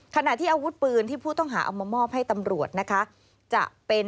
ขณะที่อาวุธปืนที่ผู้ต้องหาเอามามอบให้ตำรวจนะคะจะเป็น